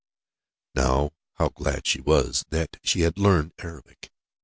Now, how glad she was that she had learned Arabic!